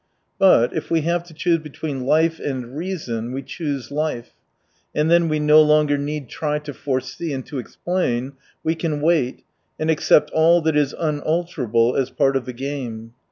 But if we have to choose between life and reason, we choose life, and then we no longer need try to foresee and to explain, we can wait, and accept all that is unalterable as part of the game.